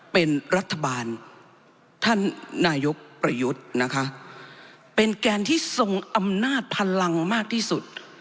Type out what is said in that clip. เป็นรัฐบาลท่านนายกประยุทธ์นะคะเป็นแกนที่ทรงอำนาจพลังมากที่สุด